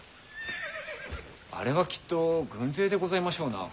あれはきっと軍勢でございましょうな。